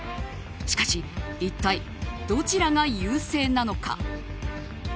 しかし、一体どちらが優勢なのか。